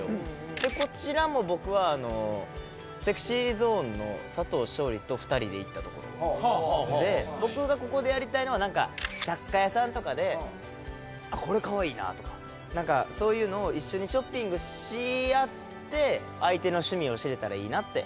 でこちらも僕はＳｅｘｙＺｏｎｅの佐藤勝利と僕がここでやりたいのはなんか雑貨屋さんとかで「これかわいいな」とかなんかそういうのを一緒にショッピングし合って相手の趣味を知れたらいいなって。